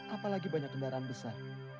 apalagi banyak kendaraan besar